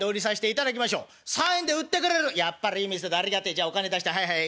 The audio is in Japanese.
じゃあお金出してはいはい。